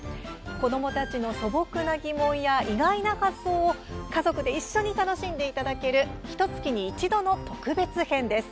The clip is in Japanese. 子どもたちの素朴な疑問や意外な発想を家族で一緒に楽しんでいただけるひとつきに一度の特別編です。